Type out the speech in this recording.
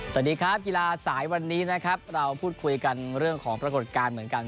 สวัสดีครับกีฬาสายวันนี้นะครับเราพูดคุยกันเรื่องของปรากฏการณ์เหมือนกัน